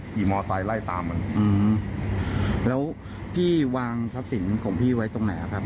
มอไซค์ไล่ตามมันอืมแล้วพี่วางทรัพย์สินของพี่ไว้ตรงไหนครับ